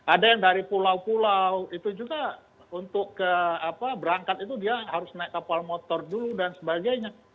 ada yang dari pulau pulau itu juga untuk berangkat itu dia harus naik kapal motor dulu dan sebagainya